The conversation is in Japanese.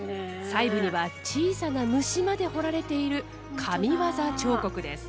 細部には小さな虫まで彫られている神業彫刻です。